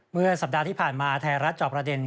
เมื่อสัปดาห์ที่ผ่านมาไทยรัฐจอบประเด็น